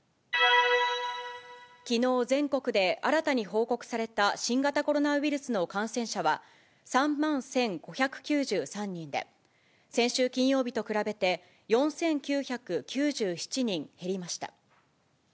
きのう、全国で新たに報告された新型コロナウイルスの感染者は３万１５９３人で、先週金曜日と比べて、４９９７人減りました。